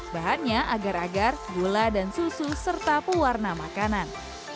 bahannya agar agar gula dan susu serta pewarna makanan